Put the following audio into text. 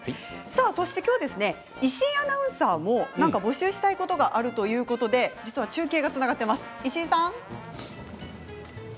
今日は石井アナウンサーも何か募集したいことがあるということで、中継がつながっています、石井さん！